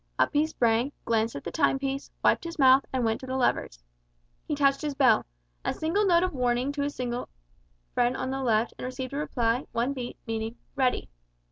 Up he sprang, glanced at the time piece, wiped his mouth, and went to the levers. He touched his bell a single note of warning to his signal friend on the left and received a reply, one beat, meaning "Ready."